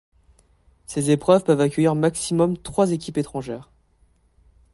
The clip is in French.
Ces épreuves peuvent accueillir maximum trois équipes étrangères.